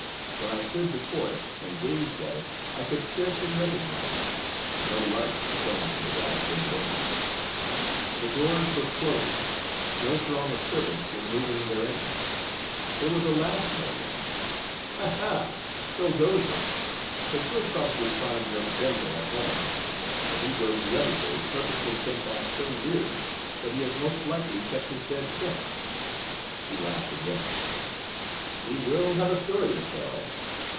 When . I stood before it and gazed at it, I could scarcely recognize it. No light shone through the dashed in windows ; the doors were closed; no throng of servants was mov ing therein. There was a laugh near me. " Ha ! ha! so goes it! But you 'll probably find your Bendel at home, for he was the other day purposely sent back so weary that he has most likely kept his bed since." He laughed again. " He will have a story to tell